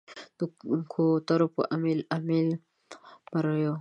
د کوترو په امیل، امیل مریو